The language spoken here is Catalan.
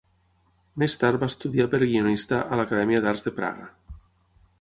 Més tard va estudiar per guionista a l’Acadèmia d'Arts de Praga.